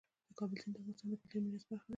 د کابل سیند د افغانستان د کلتوري میراث برخه ده.